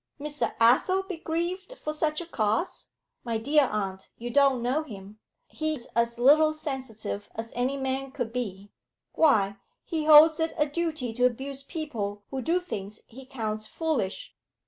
'Mr. Athel be grieved for such a cause! My dear aunt, you don't know him. He's as little sensitive as any man could be. Why, he holds it a duty to abuse people who do things he counts foolish.'